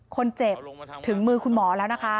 คนเจ็บถึงมือคุณหมอแล้วนะคะ